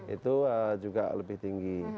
itu juga lebih tinggi